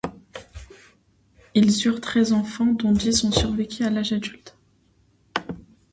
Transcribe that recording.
Ils eurent treize enfants, dont dix ont survécu à l'âge adulte.